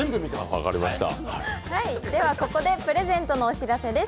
ここでプレゼントのお知らせです。